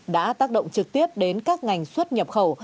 đã tác động trực tiếp đến các ngành xuất nhập khẩu